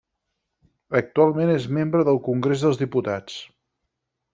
Actualment és membre del Congrés dels Diputats.